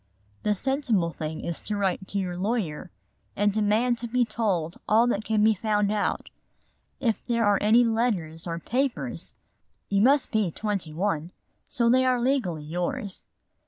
"The sensible thing is to write to your lawyer and demand to be told all that can be found out. If there are any letters or papers, you must be twenty one, so they are legally yours.